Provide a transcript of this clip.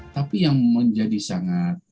tapi yang menjadi sangat